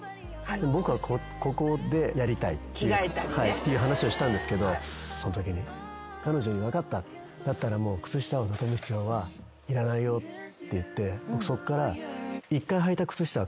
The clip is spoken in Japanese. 僕はここでやりたいっていう話をしたんですけどそのときに彼女に分かっただったらもう。って言ってそっから。